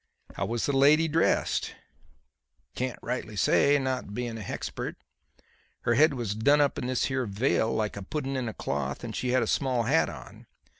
"How was the lady dressed?" "Can't rightly say, not being a hexpert. Her head was done up in this here veil like a pudden in a cloth and she had a small hat on.